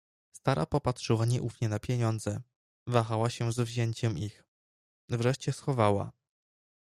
"Stara popatrzyła nieufnie na pieniądze, wahała się z wzięciem ich, wreszcie schowała."